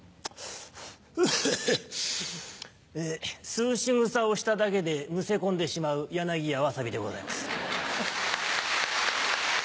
吸うしぐさをしただけでむせ込んでしまう柳家わさびでございます。